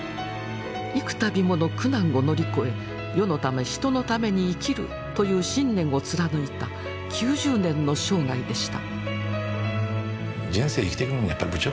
幾たびもの苦難を乗り越え「世のため人のために生きる」という信念を貫いた９０年の生涯でした。